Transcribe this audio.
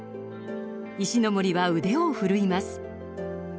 石森は腕を振るいます。